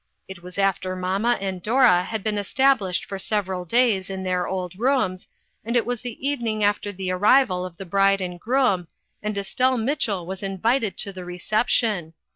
It was after mamma and Dora had been established for several days in their old rooms, and it was the even ing after the arrival of the bride and groom, and Estelle Mitchell was invited to the re ception.